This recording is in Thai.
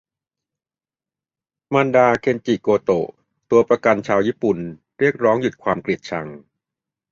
มารดา "เคนจิ โกโตะ" ตัวประกันชาวญี่ปุ่น เรียกร้องหยุดความเกลียดชัง